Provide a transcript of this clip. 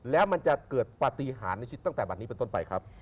แล้วมันจะเกิดปฏิหารในชีวิตตั้งแต่บัตรนี้เป็นต้นไปครับ